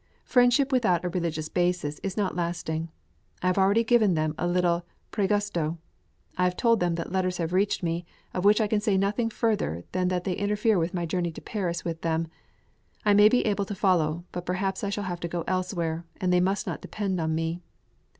Friendship without a religious basis is not lasting. I have already given them a little prægusto. I have told them that letters have reached me, of which I can say nothing further than that they interfere with my journey to Paris with them; I may be able to follow, but perhaps I shall have to go elsewhere, and they must not depend upon me.